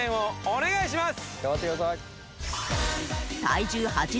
お願いします。